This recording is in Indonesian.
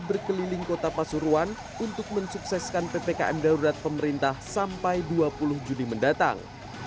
berkeliling kota pasuruan untuk mensukseskan ppkm darurat pemerintah sampai dua puluh juni mendatang